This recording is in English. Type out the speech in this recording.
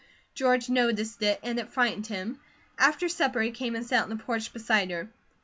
George noticed it, and it frightened him. After supper he came and sat on the porch beside her.